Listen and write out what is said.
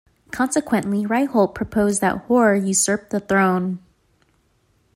Consequently, Ryholt proposed that Hor usurped the throne.